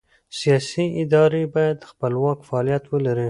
سیاسي ادارې باید خپلواک فعالیت ولري